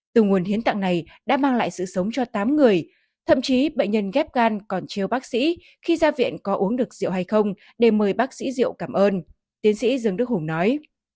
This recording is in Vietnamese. từ nguồn hiến tạng này đã mang lại sự sống cho tám người thậm chí bệnh nhân ghép gan còn chưa bác sĩ khi ra viện có uống được rượu hay không để mời bác sĩ rượu cảm ơn tiến sĩ dương đức hùng nói